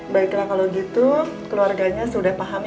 baiklah kalau gitu keluarganya sudah paham ya pak